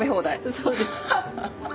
そうです。